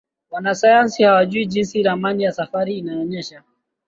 Wanasayansi hawajui Jinsi Ramani ya safari inayoonyesha